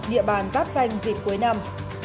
địa bàn giáp danh dịch cuối năm